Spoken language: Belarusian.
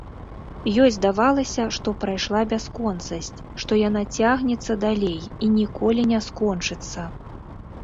Ёй здавалася, што прайшла бясконцасць, што яна цягнецца далей і ніколі не скончыцца.